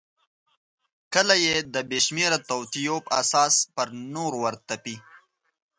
کله یې د بېشمیره توطیو په اساس پر نورو ورتپي.